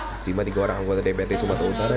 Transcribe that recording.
diterima tiga orang anggota dprd sumatera utara